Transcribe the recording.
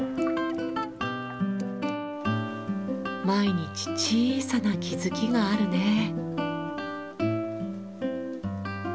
毎日小さな気づきがあるね。